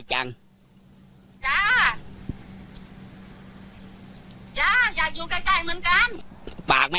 ก่อนมาอยู่บ้านนี้